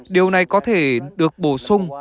điều này có thể được bổ sung